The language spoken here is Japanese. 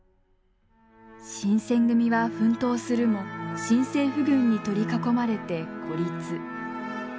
新選組は奮闘するも新政府軍に取り囲まれて孤立。